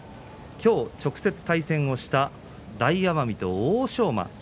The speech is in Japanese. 今日、直接対戦した大奄美と欧勝馬。